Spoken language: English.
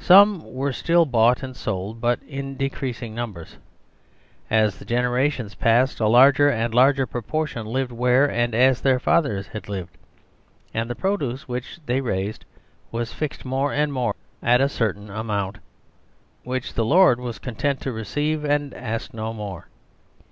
Some were still bought and sold, but in decreasing numbers. As the generations pass ed a larger and a larger proportion lived where and as their fathers had lived, and the produce which they raised was fixed more and more at a certain a mount, which the lord was content to receive and ask no more.